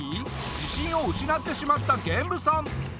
自信を失ってしまったゲンブさん。